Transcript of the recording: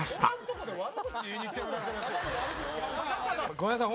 ごめんなさい。